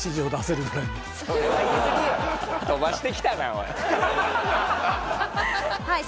飛ばしてきたなおい。